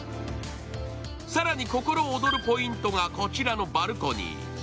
更に、心躍るポイントがこちらのバルコニー。